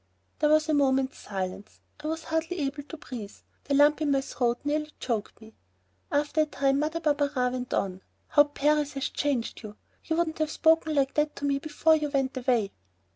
There was a moment's silence. I was hardly able to breathe. The lump in my throat nearly choked me. After a time Mother Barberin went on: "How Paris has changed you! You wouldn't have spoken like that to me before you went away."